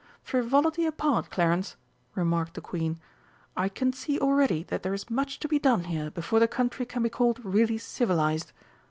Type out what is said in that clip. "Frivolity apart, Clarence," remarked the Queen, "I can see already that there is much to be done here before the country can be called really civilised.